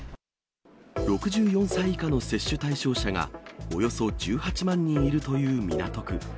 ６４歳以下の接種対象者が、およそ１８万人いるという港区。